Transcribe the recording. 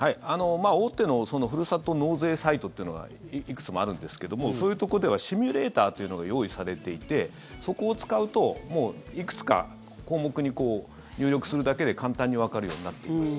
大手のふるさと納税サイトというのがいくつもあるんですけどもそういうところではシミュレーターというのが用意されていてそこを使うと、もういくつか項目に入力するだけで簡単にわかるようになっています